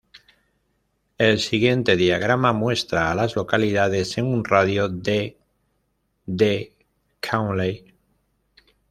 El siguiente diagrama muestra a las localidades en un radio de de Cowley.